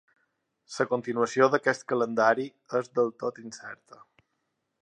La continuació d’aquest calendari és del tot incerta.